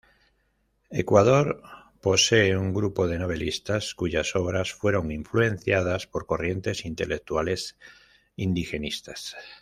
Ecuador posee un grupo de novelistas cuyas obras fueron influenciadas por corrientes intelectuales indigenistas.